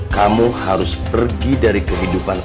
kamu harus pergi dari kehidupan